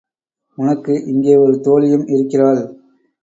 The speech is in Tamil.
உனக்கு இங்கே ஒரு தோழியும் இருக்கிறாள்.